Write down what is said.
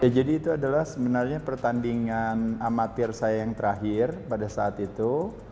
jadi itu adalah sebenarnya pertandingan amatir saya yang terakhir pada saat itu